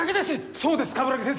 そうです鏑木先生。